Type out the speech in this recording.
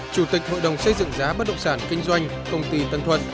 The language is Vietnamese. chủ tịch hội đồng xây dựng giá bất động sản kinh doanh công ty tân thuận